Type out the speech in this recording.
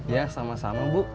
ya sama sama bu